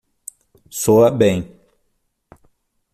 Soa bem